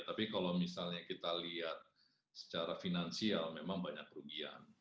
tapi kalau misalnya kita lihat secara finansial memang banyak kerugian